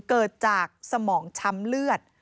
เกิดจากสมองช้ำเลือด